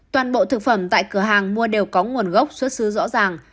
toàn bộ thực phẩm tại cửa hàng mua đều có nguồn gốc xuất xứ rõ ràng